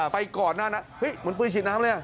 ก่อนหน้านั้นเหมือนปืนฉีดน้ำเลย